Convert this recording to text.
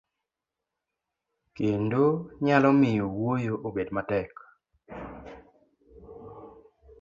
kendo nyalo miyo wuoyo obed matek.